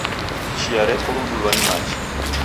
Chia rekurudulwa ni machi.